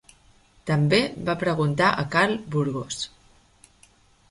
També va preguntar a Carl Burgos.